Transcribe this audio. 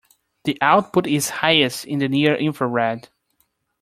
The output is highest in the near infrared.